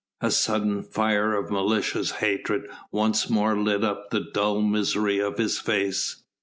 A sudden fire of malicious hatred once more lit up the dull misery of his face.